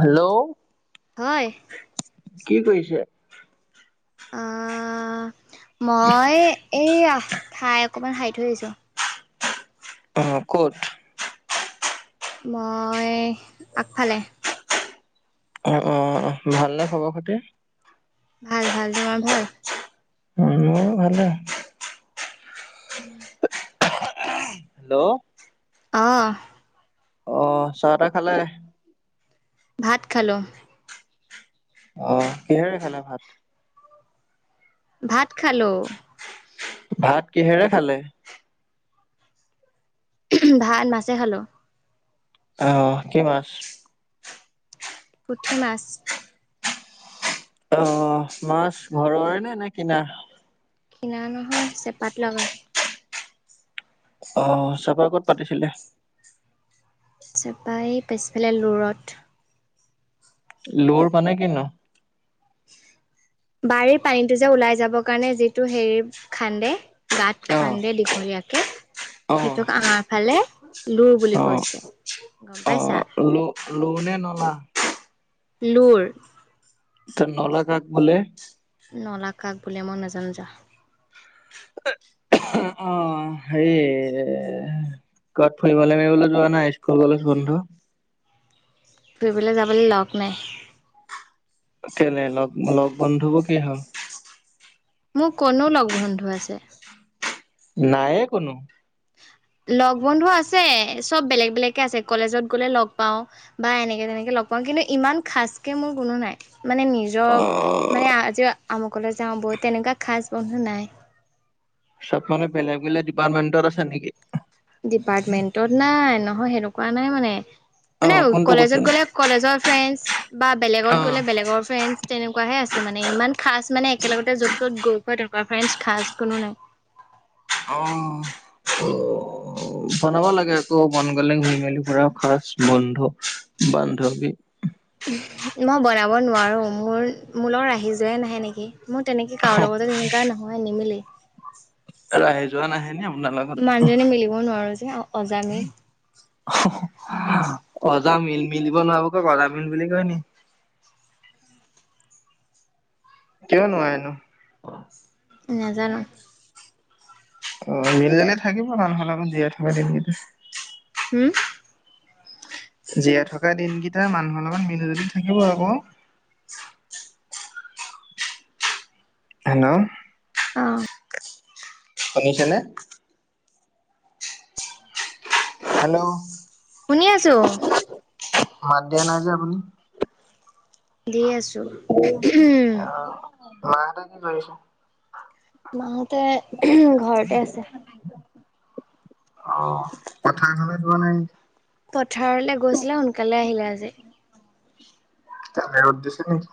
Hello হয় কি কৰিছে? অঁ মই এইআ ঠাই অকমান সাৰি থৈ আহিছো। অঁহ ক'ত? ময় আগফালে। অঁ অঁ অঁ ভাল নে খবৰ খাতি? ভাল ভাল তুমাৰ ভাল। মোৰ ভাললে। উমঁ! হেল্লৌ! অঁহহ। অহ চাহ তাহ খালে? ভাত খালো। অঁ কিহেৰে খালা ভাত? ভাত খালো। ভাত কিহেৰে খালে? ভাত মাছে খালো। অহ কি মাছ? পুথি মাছ। অঁ অঁ মাছ ঘৰৰে নে নে কিনা? কিনা নহয় চেঁপাত লগা। অঁ চেঁপাৰ ক'ত পাতিছিলে? চেঁপা ই পিছফালে লুৰত। লোৰ মানে কিনো? বাৰীৰ পানীটো যে ওলাই যাবৰ কাৰণে যিটো হেৰি খান্দে। গাত অ খান্দে দিঘলীয়াকে অ সেইটোক আমাৰ ফালে লোৰ বুলি কৈছে। গম পাইছা অঁ লো লোনে নলা? লোৰ। তাত নলা কাক বোলে? নলা কাক বুলে মই নাজানো যা। অঁ এহো হেৰি অ অ। ক'ত ফুৰিবলৈ মেলিবলৈ যোৱা নাই স্কুল কলেজ বন্ধ। ফুৰিবলৈ যাবলৈ লগ নাই। কেইলে লগ লগ বন্ধুবোৰ কি হ'ল। মোৰ ক'তনো লগ বন্ধু আছে। নাইয়ে কোনো। লগ বন্ধু আছে চব বেলেগ বেলেগ কে আছে কলেজত গ'লে লগ পাওঁ। বা এনেকে তেনেকে লগ পাওঁ কিন্তু ইমান খাচ কে মোৰ কোনো নাই মানে নিজ। যক মানে অ', আজিও আমুকলৈ যাওঁ বই তেনেকুৱা খাজ বন্ধু নাই। চব মানে বেলেগ - বেলেগ ডিপাৰ্টমেন্টত আছে নেকি? ডিপাৰ্টমেন্টত নাই নহয় সেনেকুৱা নাই মানে - মানে অ', কোনটো কৈছিল? কলেজত গ'লে কলেজৰ ফ্ৰেণ্ডছ বা বেলেগত অ', গ'লে বেলেগৰ ফ্ৰেণ্ডছ তেনেকুৱাহে আছে মানে ইমান খাচ মানে একেলগতে য'ত - ত'ত গৈ পোৱা তেনেকুৱা ফ্ৰেণ্ডছ খাচ কোনো নাই। অ। অ। অ বনাব লাগে আকৌ মন গলে ঘূৰি মেলি ফুৰা খাচ বন্ধু - বান্ধৱী। উহ, মই বনাব নোৱাৰোঁ, মোৰ মো লগত আহি যোৱাই নাহে নেকি? মোৰ তেনেকে কাৰো লগতো তেনেকুৱা নহয় নিমিলেই। ৰাহি যোৱা নাহে নি আপোনা লগত? মানুহজনী মিলিব নোৱাৰো যে অ অজামিল। অ হ অ, অজামিল মিলিব নোৱাৰাবোৰক অজামিল বুলি কয় নি? কিয় নোৱাৰে নো? নেজানো। অ, মিলি - জুলি থাকিব মানুহলে অলপ জীয়াই থকা দিনকেইটা। হুম! জীয়াই থকা দিনকেইটা মানুহৰ লগত মিলি জুলি থাকিব আকৌ। হেল্ল'? অঁ শুনিছেনে? হেল্ল'? শুনি আছো। মাত দিয়া নাই যে আপুনি? দি আছো উ উহুম। মাহতে কি কৰিছে? মাহতে উহুম ঘৰতে আছে। অ, পথাৰলৈ যোৱা নাই? পথাৰলে গৈছিলে সোনকালে আহিলে আজি। তাতে ৰ'দ দিছে নেকি?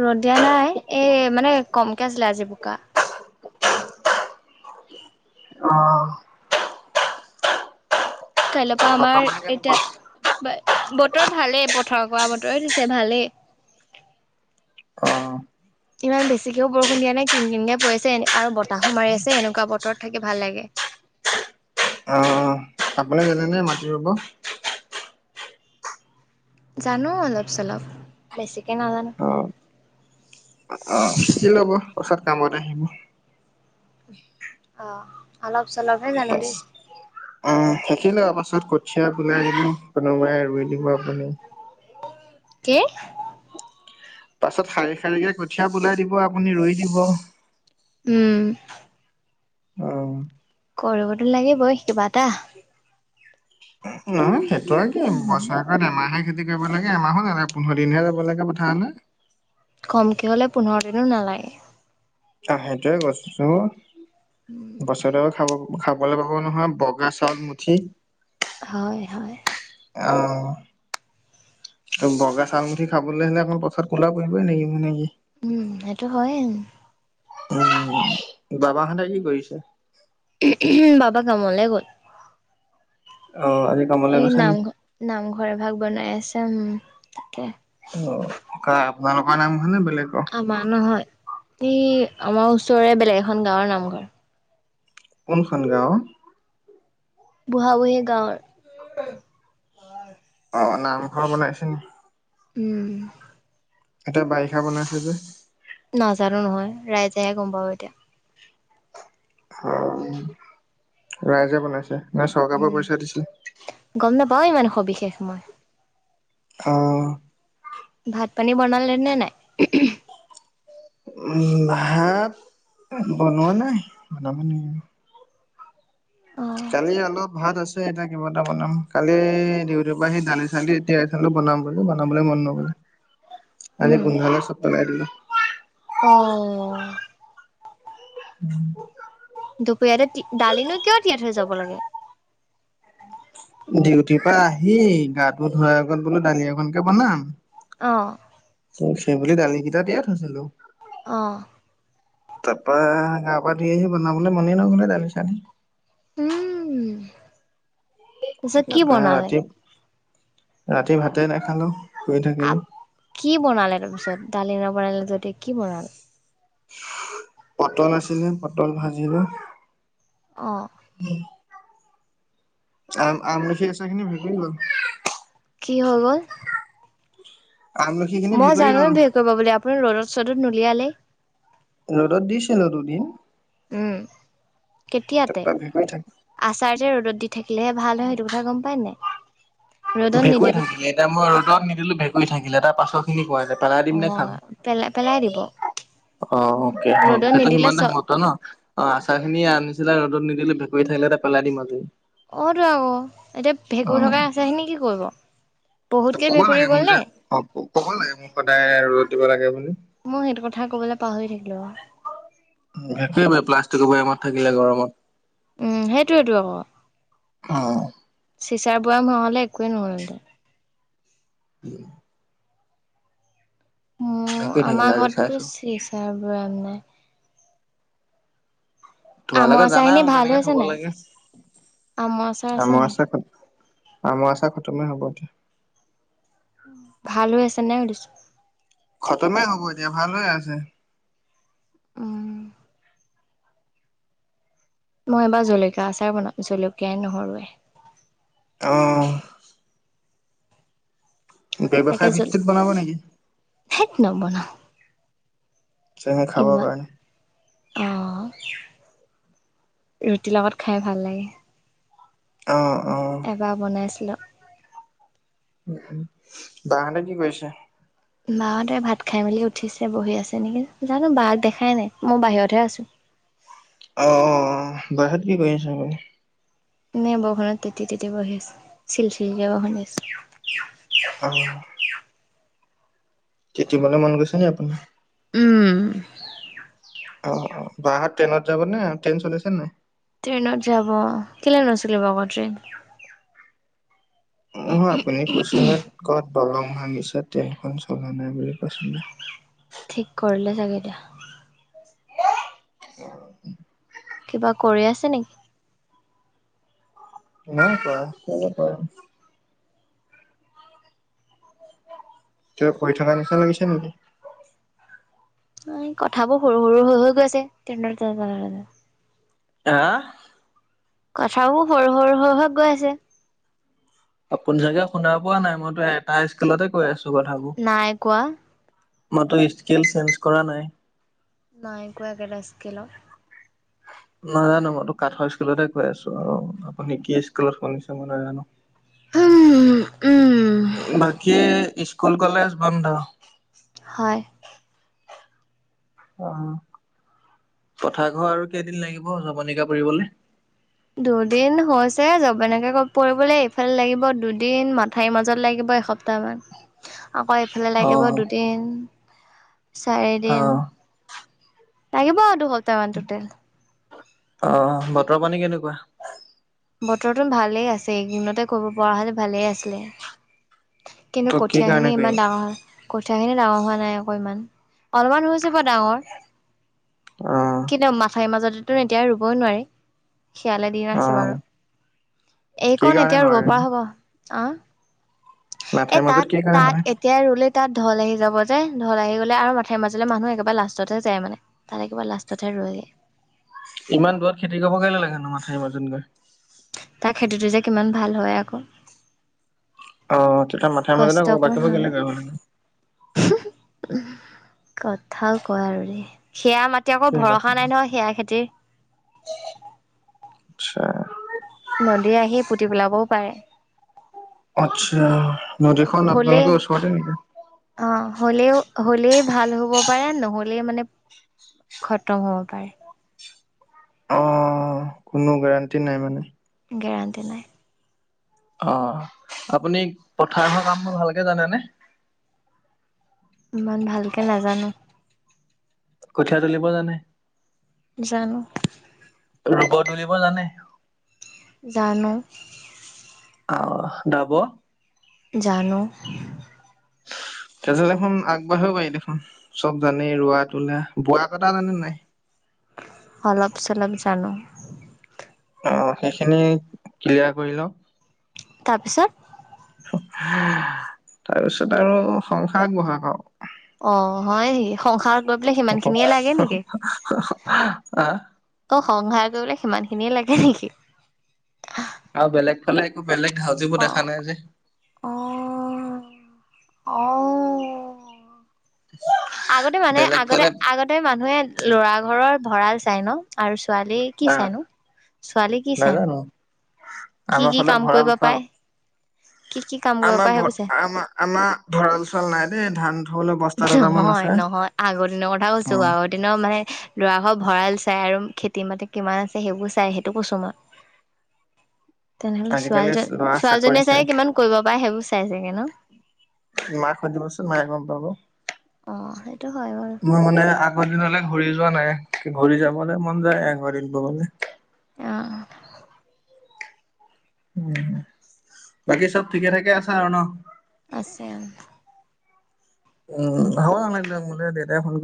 ৰ'দ দিয়া নাই এ মানে কমকে আছিলে আজি বোকা। অ। কাইলৈৰ পৰা বতৰ আমাৰ পানী এতিয়া কেনেকুৱা? বা বতৰ ভালেই পথাৰ কৰা বতৰ দিছে ভালেই। অ। ইমান বেছিকেও বৰষুণ দিয়া নাই, কিন কিনকে পৰি আছে আৰু বতাহো মাৰি আছে এনেকুৱা বতৰত থাকি ভাল লাগে। অ, আপুনি জানে নে মাটি ৰুব? জানো অলপ - চলপ, বেছিকে নাজানো। অ অ শিকি ল'ব পাছত কামত আহিব। অহ, অলপ - চলপহে জানো দেই। অহ, শিকি ল'ব পাছত কঠিয়া বলাই দিব কোনোবাই ৰুই দিব আপুনি। কি? পাছত শাৰী - শাৰীকে কঠিয়া বলাই দিব আপুনি ৰুই দিব। উম। অ। কৰিবতো লাগিবই কিবা এটা। নহয় সেইটো আৰু কি বছৰটোত এমাহে খেতি যাব লাগে এমাহত এনে পোন্ধৰ দিনহে যাব লাগে পথাৰলে। কমকে হ'লে পোন্ধৰ দিনো নালাগে। আহ সেইটোয়ে কৈছো বছৰত এবাৰ খাব খাবলৈ পাব নহয় বগা চাউল মুঠি। হয়, হয়। অঁ। বগা চাউলমুঠি খাবলৈ হ'লে অকণ পথাৰত কলা পৰিবই নেকি মানে কি। উম, সেইটো হয়ে। উম, বাবাহঁতে কি কৰিছে? বাবা কামলে গ'ল। অঁ, আ এই নামঘৰ, নামঘৰে ভাগ বনাই আছে, উম, তাকে। অ, কাৰ আপোনালোকৰ নাম হয়নে বেলেগৰ? আমাৰ নহয় এই আমাৰ ওচৰৰে বেলেগ এখন গাঁৱৰ নামঘৰ। কোনখন গাঁও? বুঢ়া-বুঢ়ী গাঁৱৰ। অ, নামঘৰ বনাইছে উম। এতে বাৰিষা বনাইছে যে। নাজানো নহয় ৰাইজেহে গম পাব এতিয়া। অ, ৰাইজে বনাইছে না চৰকাৰৰ পৰা উম পইচা দিছিল? গম নাপাও ইমান সবিশেষ মই। অঁ। ভাত পানী বনালে নে নাই? উম, ভাত বনোৱা নাই, বনাম অ কালিৰ অলপ ভাত আছ এটা কিবা এটা বনাম কালি ডিউটিৰ পৰা আহি দালি-চালি এতিয়া বনাম বোলো বনাবলৈ মন নগল। আজি উম গন্ধালে চব পেলাই দিলো। অঁ। [inaudible] দুপৰীয়াতে তি দালিনো কিয় তিয়াই থৈ যাব লাগে? ডিউটিৰ পৰা আহি গাটো ধোৱাৰ আগত বোলো দালি এখনকে বনাম। অঁ। সেই বুলি দালি কেইটা তিয়াই থৈছিলো। অঁ। তাৰ পৰা গা-পা ধুই আহি বনাবলৈ মনেই নগলে দালি-চালি। উম তাৰপিছত কি তাৰপৰা বনালে ৰাতি, ৰাতি ভাতে নাখালো শুই থাকিলো। কি বনালে তাৰপিছত, দালি নবনালে যদি কি বনালে? পটল আছিলে পটল ভাজিলো। অঁ। উম, আ আমলখিৰ আচাৰখিনি [unintelligible] গ'ল। কি হৈ গ'ল? আমলখি খিনি মই ভেকুৰি জানোৱে গ'ল ভিৰ পৰিব বুলি আপুনি ৰ'দত-চ'দত নুলিয়ালে। ৰ'দত দিছিলো দুদিন। উম, কেতিয়াতে? তাৰপা ভেকুৰি থাকি আচাৰ যে ৰ'দত দি থাকিলেহে ভাল হয় সেইটো কথা গম পায় নাই ৰ'দত ভেকুই নিদি থাকিলে এতিয়া মই ৰদত নিদিলোঁ ভেকুই থাকিলে তাৰ পাছত তুমি কোৱা এতিয়া পেলাই দিম নে অ', খাম পেলাই পেলাই দিব অ অকে হক ৰ'দত সেইটো নিদিলে চ সিমানতে সমাপ্ত ন অ আচাৰ খিনি আনিছিলে ৰ'দত নিদিলে ভেকুৰী থাকিলে এটা পেলাই দিম আজি অতো আক এতিয়া ভেঁকুৰি থকা আচাৰ খিনি কি কৰিব ত বহুতকে ক'ব ভেঁকুৰি লাগে গ'ল মোক যে নে অ ক'ব লাগে মোক সদায় ৰ'দ দিব লাগে বুলি মই সেইটো কথা কবলে পাহৰি থাকিলো ভেকুৰিবই প্লাষ্টিকৰ বয়ামত থাকিলে গৰমত উম সেইটোৱে টো আক অ চিচাৰ বৈয়াম হোৱা হ'লে একোৱে নহল হেতেন [unintelligible] উম ভেকুৱে থাকিলে আমাৰ আজি ঘৰত টো চাইছো। চিচাৰ বয়াম নাই আমৰ তোমালোকে আচাৰ জানা খিনি আক ভাল হৈ কেনেকে আছে থব নাই লাগে আমৰ আচাৰ আছে আম নাই আচাৰখন আমৰ আচাৰ খতমে হব এতিয়া ভাল হৈ আছে নে সুধিছোঁ খতমেই হ'ব এতিয়া ভাল হৈ আছে উম মই এইবাৰ জলকীয়া আচাৰ বনাম জলকীয়াই নহৰুৱে অহ ব্যৱসায় ভিত্তিত বনাব নেকি? থেইত নবনাও চেমে খাবাৰ ইমান কাৰনে অ ৰুটি লগত খায়ে ভাল লাগে অহ অহ এবাৰ বনাইছিলোঁ উম উম বাহতে কি কৰিছে মা হতে ভাত খাই মেলি উঠিছে বহি আছে নেকি জানো বাক দেখাই নাই মই বাহিৰতহে আছো অ অ বাহিৰত কি কৰি আছা অকলে এনেই বৰষুত তেতি তেতি বহি আছো চিলচিলকে বৰষুণ দি আছে অহ তেতিবলে মন গৈছে নে আপোনাৰ উম অ অ বাহত ট্ৰেইনত যাব নে ট্ৰেইন চলিছে নে নাই ট্ৰেইনত যাব কেলে নচলিব আক ট্ৰেইন নহয় আপুনি কৈছিলে কত পাব দলং ভাঙিছে ট্ৰেইনখন চলা নাই বুলি কৈছিলা ঠিক কৰিলে ছাগে এতিয়া [unintelligible] কিবা কৰি আছে নে? নাই কোৱা কি নো কৰিম কিবা কৰি থকা নিচিনা লাগিছে নেকি নাই কথাবোৰ সৰু সৰু হৈ হৈ গৈছে ট্ৰেন্ডাৰ কিয় কাৰণে হা কথাবোৰ সৰু সৰু সৰু হৈ হৈ গৈ আছে আপুনি চাগে শুনা পোৱা নাই মইতো এটা স্কেলতে কৈ আছো কথাবোৰ। নাই কোৱা মইতো স্কেল চেঞ্জ কৰা নাই। নাইকোৱা একেটা স্কেলত। নাজানো মইতো কাঠৰ স্কেলতহে কৈ আছো আৰু, আপুনি কি স্কুলত শুনিছে মই নাজানো। উম উম বাকী স্কুল, কলেজ বন্ধ? হয়। অ, পথাৰঘৰ আৰু কেইদিন লাগিব জৱনিকা পৰিবলে? দুদিন হৈছে যবনিকা পৰিবলে এইফালে লাগিব দুদিন মাথাইৰ মাজত লাগিব এসপ্ত তামান। আকৌ এইফালে অ লাগিব দুদিন, অ চাৰিদিন লাগিব আউ দুসপ্তাহ মান টুটেল। অ' বতৰ-পানী কেনেকুৱা? বতৰটো ভালেই আছে, এইকেদিনতে কৰিব পৰা হ'লে ভালেই আছিলে। কিন্তু ত কি কঠীয়াখিনি কাৰণে ইমান কৰিম ডাঙৰ হল! কঠীয়াখিনি ডাঙৰ হোৱা নাই অকনমান, অলমান হৈছে বাউ ডাঙৰ। অ কিন্তু মাথাইৰ মাজতেতু এতিয়া ৰুবই নোৱাৰি। শিয়ালে দিয়েই অ আছে বাৰু। কি এইকন কাৰণে এতিয়া ৰবা নোৱাৰেনো হ'ব, আওঁ এ মাথাইৰ মাজত তাত কি কাৰণে তাত নোৱাৰে এট এতিয়া ৰুলে তাত ঢল আহি যাব যে, ঢল আহি গলে আৰু মাথাইৰ মাজলে মানুহ একেবাৰে লাষ্টতহে যায় মানে। তাত একেবাৰে লাষ্টতহে ৰোৱেগে। ইমান দূৰত খেতি কৰিব গেলে লাগেনো, মাথাইৰ মাজত গৈ? তাৰ খেতিটো যে কিমান ভাল হয় আক! অ' তেতিয়া মাথাই মাজতে কষ্ট কৱ, অকমান বাকীবোৰ হয় কেলে যাব লাগে? কথাও ক' আৰু দেই। সেয়া মাত তে আকৌ কি কথা ভৰসা নাই নহয় সেয়া খেতিৰ। আচ্ছা। নদীয়ে আহি পুতি পেলাবও পাৰে। আচ্ছা! নদীখন হ'লেই আপোনালোকৰ ওচৰতে নেকি? অ' হ'লেও হলে ভাল হ'ব পাৰে নহ'লে মানে খতম হ'ব পাৰে। অ' কোনো গেৰাণ্টি নাই মানে? গেৰাণ্টি নাই। অ' আপুনি পথাৰ কামবোৰ ভালকে জানেনে? ইমান ভালকে নাজানো। কঠীয়া তুলিব জানে? জানো। ৰুব, তুলিব জানে? জানোঁ। অ, দাব? জানোঁ। তেতিয়া দেখোন আগবাঢ়িব পাৰি দেখোন। চব জানেই ৰোৱা, তোলা। বোৱা-কটা জানে নাই? অলপ-চলপ জানোঁ। অ' সেইখিনি ক্লিয়াৰ কৰি লওক! তাৰপিছত? তাৰপিছত আৰু সংসাৰ আগবঢ়াওক আওঁ। অ', হয় নেকি সংসাৰ গৈ পেলাই সিমান খিনিয়ে লাগে নেকি? আহ অ', সংসাৰ কৰিবলৈ সিমান খিনিয়ে লাগে নেকি? আৰু বেলেগ ফালে একো বেলেগ ধাউতিবোৰ অ দেখা নাই যে। অ', অ'। আগতে মানুহে বেলেগ আগতে ফালে আগতে মানুহে ল'ৰাৰ ঘৰৰ ভঁৰাল চাই ন'? আৰু ছোৱালী কি আহ চাইনো ছোৱালীৰ কি চাইনো? নাজানো কি আমাৰ কি ফালে কাম ভঁৰাল কৰিব চাল পায় কি কি কাম কৰিব আমাৰ পাৰে ভ সেইবোৰ চাই আমাৰ আমাৰ ভৰাল-চৰাল নাই দেই ধান থবলৈ বস্তা দুটামান নহয়, আছে। নহয়, আগৰ দিনৰ কথা অ কৈছোঁ আগ ৰ দিনৰ মানে ল'ৰা ঘৰ ভঁৰাল চাই আৰু খেতি মাটি কিমান আছে সেইবোৰ চাই সেইটো কৈছোঁ মই। [inaudible] তেনেহ'লে আজিকালি ছোৱালীজন ল'ৰা চাকৰি ছোৱালীজনীয়ে চাই চাগে কিমান কৰিব পাৰে সেইবোৰ চাই চাগে ন'? মাক সুধিবচোন মায়ে গ'ম পাব। অ', সেইটো হয়, বাৰু। মই মানে আগৰ দিনলে ঘূৰি যোৱা নাই, ঘূৰি যাবলৈ মন যায় আগৰ দিন বুৰলে। অ'। উম, বাকী চব ঠিকে ঠাকে আছো আৰু ন'? আছে। উম, হ' নালানে মোলৈ দেউতাই ফোন কৰি